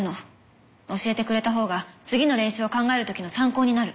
教えてくれたほうが次の練習を考える時の参考になる。